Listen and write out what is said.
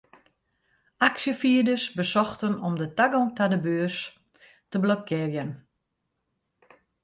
Aksjefierders besochten om de tagong ta de beurs te blokkearjen.